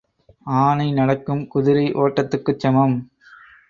ஆனை நடைக்கும் குதிரை ஓட்டத்துக்கும் சமம்.